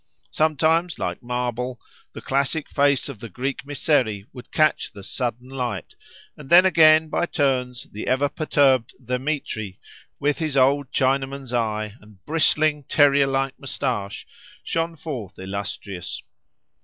Sometimes, like marble, the classic face of the Greek Mysseri would catch the sudden light, and then again by turns the ever perturbed Dthemetri, with his old Chinaman's eye and bristling, terrier like moustache, shone forth illustrious.